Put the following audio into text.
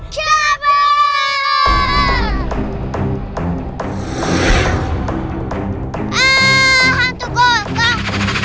kamu bisa jadiin keras